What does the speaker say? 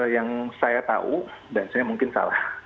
yang saya tahu dan saya mungkin salah